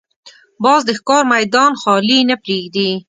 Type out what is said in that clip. باز د ښکار میدان خالي نه پرېږدي